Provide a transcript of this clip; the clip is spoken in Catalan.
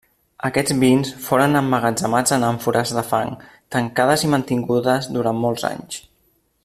Aquests vins foren emmagatzemats en àmfores de fang tancades i mantingudes durant molts anys.